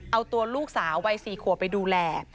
เอาตัวลูกสาววัย๔ขวบไปดูแล